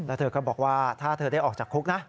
แล้วเธอก็บอกว่าถ้าเธอได้ออกจากคุกนะ